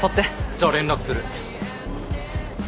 じゃあ連絡する。